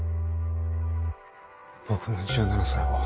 僕の１７才は。